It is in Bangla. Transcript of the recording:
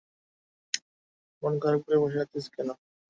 মন খারাপ করে বসে আছিস কেনো?